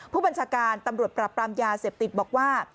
ผู้บัญชาการตำรวจปรับปรามยาเสพติดบอกว่า